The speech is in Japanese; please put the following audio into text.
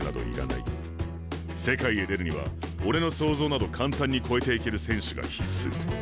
世界へ出るには俺の想像など簡単に超えていける選手が必須」。